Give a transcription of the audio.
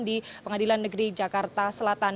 di pengadilan negeri jakarta selatan